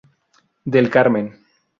Del Carmen.